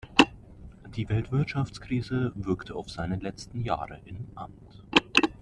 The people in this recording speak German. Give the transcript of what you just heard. Die Weltwirtschaftskrise wirkte auf seine letzten Jahre im Amt.